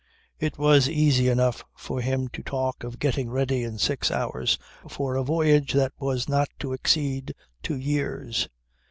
"It was easy enough for him to talk of getting ready in six hours for a voyage that was not to exceed two years.